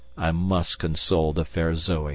I must console the fair Zoe!